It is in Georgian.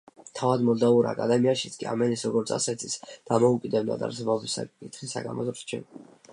თავად მოლდავურ აკადემიაშიც კი ამ ენის, როგორც ასეთის, დამოუკიდებლად არსებობის საკითხი საკამათო რჩება.